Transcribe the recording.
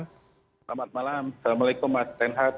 selamat malam assalamualaikum mas renhat